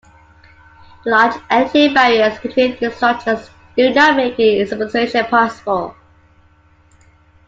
The large energy barriers between these structures do not make isomerization possible.